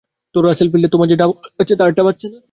তো রাসেলফিল্ডে তোমার যে ডাবল আছে তারটা বাজছে না।